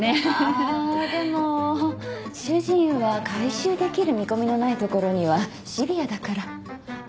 あでも主人は回収できる見込みのない所にはシビアだから。